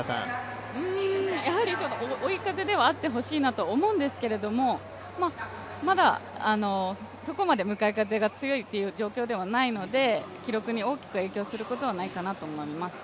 追い風ではあってほしいなと思うんですけれどもまだそこまで向かい風が強いという状況ではないので記録に大きく影響することはないかなと思います。